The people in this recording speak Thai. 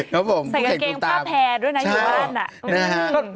ครับผมผู้เศรษฐ์กูตามใส่กางเกงป้าแพรด้วยนะอยู่บ้านน่ะ